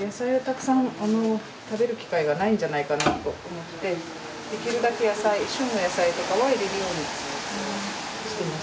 野菜をたくさん食べる機会がないんじゃないかなと思ってできるだけ野菜旬の野菜とかは入れるようにしています。